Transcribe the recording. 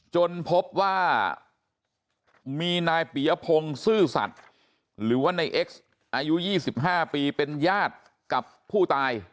จนพบว่ามีนายปียพงศ์ซื่อสัตว์หรือว่าในเอ็กซ์อายุ๒๕ปีเป็นญาติกับผู้ตาย